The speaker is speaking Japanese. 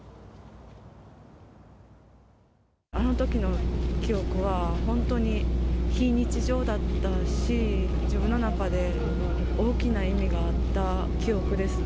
あのときの記憶は本当に非日常だったし、自分の中で大きな意味があった記憶ですね。